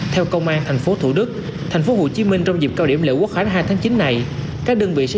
theo công an tp thủ đức tp hcm trong dịp cao điểm lễ quốc khánh hai tháng chín này các đơn vị sẽ